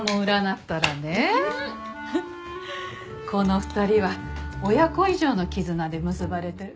この２人は親子以上の絆で結ばれてる。